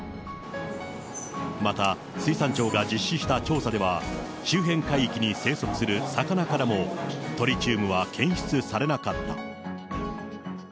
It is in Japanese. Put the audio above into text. また水産庁が実施した調査では、周辺海域に生息する魚からもトリチウムは検出されなかった。